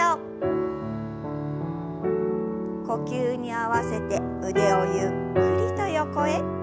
呼吸に合わせて腕をゆっくりと横へ。